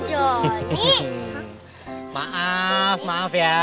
kita bisauarottle enak